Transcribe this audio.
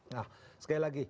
nah sekali lagi